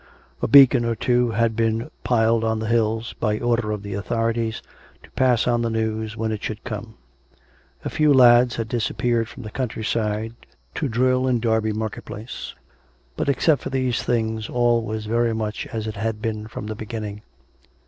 A beacon or two had been piled on the hills, by order of the authorities, to pass on the news when it should come; a few lads had disappeared from the countryside to drill in Derby market place; but except for these things, all was very much as it had been from the beginning.